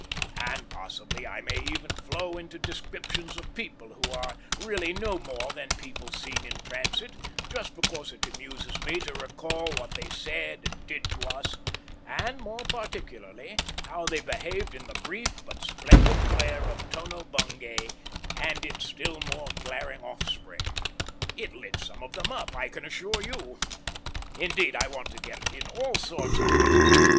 And possibly I may even flow into descriptions of people who are really no more than people seen in transit, just because it amuses me to recall what they said and did to us, and more particularly how they behaved in the brief but splendid glare of Tono Bungay and its still more glaring offspring. It lit some of them up, I can assure you! Indeed, I want to get in all sorts of things.